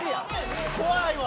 怖いわ。